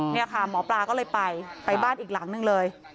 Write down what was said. นี่ค่ะหมอปลาก็เลยไปไปบ้านอีกหลังนึงเลย